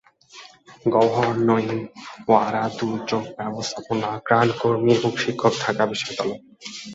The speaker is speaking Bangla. গওহর নঈম ওয়ারা দুর্যোগ ব্যবস্থাপনা ও ত্রাণকর্মী এবং শিক্ষক, ঢাকা বিশ্ববিদ্যালয়।